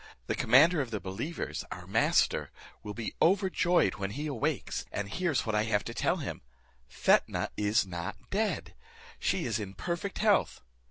The commander of the believers our master will be overjoyed when he awakes, and hears what I have to tell him; Fetnah is not dead, she is in perfect health."